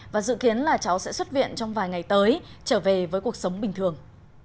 và dự kiến là cháu sẽ xuất viện trong vài ngày tới trở về với cuộc sống bình thường